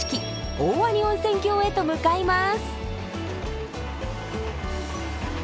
大鰐温泉郷へと向かいます！